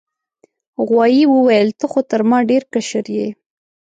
غوايي وویل ته خو تر ما ډیر کشر یې.